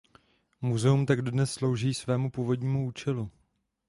Muzeum tak dodnes slouží svému původnímu účelu.